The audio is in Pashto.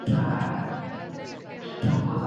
که چا وويل چي زه حلال او حرام ته نه ګورم، دا کفر دی